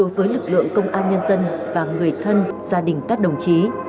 với lực lượng công an nhân dân và người thân gia đình các đồng chí